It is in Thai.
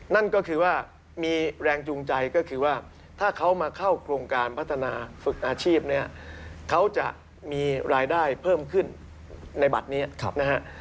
นั่นก็คือว่ามีแรงจูงใจก็คือว่าถ้าเขามาเข้าโครงการพัฒนาฝึกอาชีพเนี่ยเขาจะมีรายได้เพิ่มขึ้นในบัตรนี้นะฮะ